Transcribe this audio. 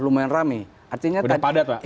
lumayan ramai artinya sudah padat pak